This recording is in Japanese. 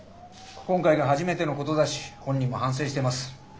今回が初めてのことだし本人も反省してます。